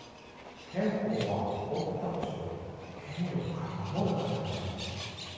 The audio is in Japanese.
憲法はぼくたちを権力から守るためにあるのか。